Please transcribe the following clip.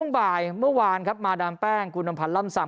บ่ายเมื่อวานครับมาดามแป้งคุณอำพันธ์ล่ำซำ